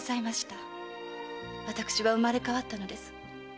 私は生まれ変わったのです。